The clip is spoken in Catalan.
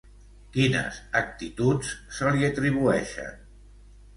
Quines actituds se li atribueixen?